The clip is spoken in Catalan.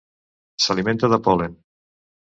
S'alimenta de pol·len.